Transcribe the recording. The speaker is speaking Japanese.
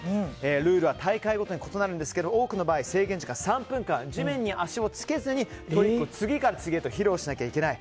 ルールは大会ごとに異なるんですが多くの場合、制限時間３分間地面に足をつけずにトリックを次から次へと披露しなければいけない。